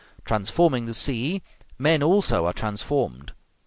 Transforming the sea, men also are transformed.